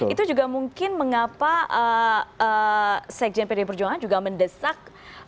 itu juga mungkin mengapa sekjen pd perjuangan juga mendesak